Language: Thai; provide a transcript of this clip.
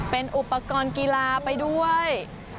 เป็นอุปกรณ์กีฬาไปด้วย